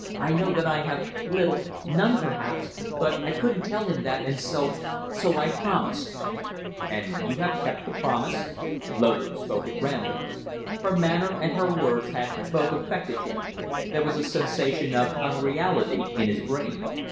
I know that I have little none, perhaps but I couldn't tell him that, and so so I promised." "And have kept the promise?" Loder spoke at random. Her manner and her words had both affected him. There was a sensation of unreality in his brain.